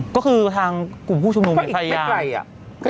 ก็คือทางกลุ่มผู้ชุมนุมมีไทยอย่างก็อีกไม่ไกลอ่ะ